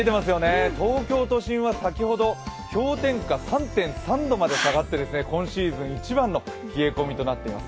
東京都心は先ほど氷点下３．３度まで下がって今シーズン一番の冷え込みとなっています。